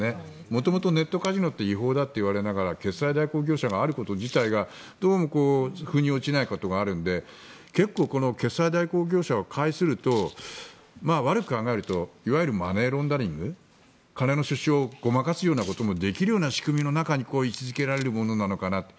元々、ネットカジノって違法だといわれながら決済代行業者があること自体がどうも腑に落ちないことがあるので結構、この決済代行業者を介すると悪くはなるといわゆるマネーロンダリング金の出自をごまかすようなこともできる仕組みに位置付けられるのかなと。